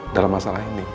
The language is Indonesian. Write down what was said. dalam masalah ini